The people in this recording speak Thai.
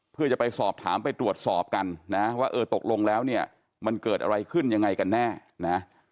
เพื่อจะไปสอบถามไปตรวจสอบกันนะว่าเออตกลงแล้วเนี่ยมันเกิดอะไรขึ้นยังไงกันแน่นะ